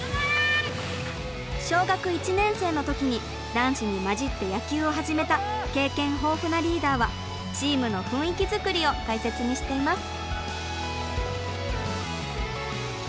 小学１年生の時に男子に交じって野球を始めた経験豊富なリーダーはチームの雰囲気作りを大切にしています。